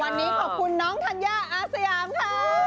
วันนี้ขอบคุณน้องธัญญาอาสยามค่ะ